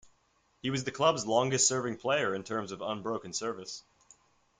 He was the club's longest serving player in terms of unbroken service.